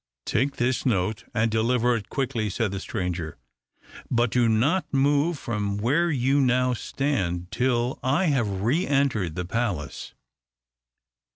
"Take this note, and deliver it quickly," said the stranger; "but do not move from where you now stand till I have re entered the palace."